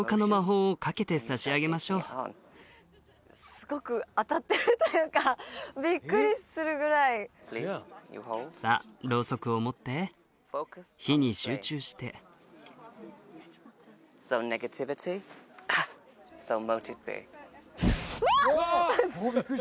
すごく当たってるというかビックリするぐらいさあロウソクを持って火に集中してわあ！